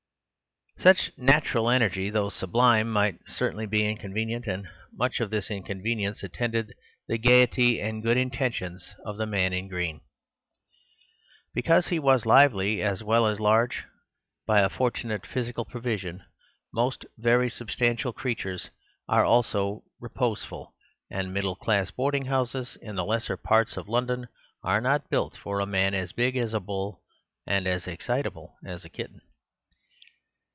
Such natural energy, though sublime, might certainly be inconvenient, and much of this inconvenience attended the gaiety and good intentions of the man in green. He was too large for everything, because he was lively as well as large. By a fortunate physical provision, most very substantial creatures are also reposeful; and middle class boarding houses in the lesser parts of London are not built for a man as big as a bull and excitable as a kitten.